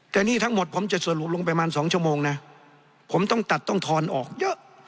แต่นี่ทั้งหมดผมจะส่วนลดลงประมาณ๒ชั่วโมงนะผมต้องตัดต้องทอนออกเยอะ